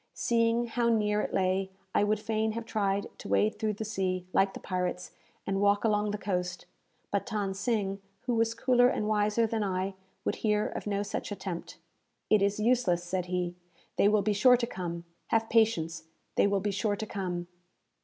Seeing how near it lay, I would fain have tried to wade through the sea, like the pirates, and walk along the coast; but Than Sing, who was cooler and wiser than I, would hear of no such attempt. "It is useless," said he. "They will be sure to come. Have patience, they will be sure to come."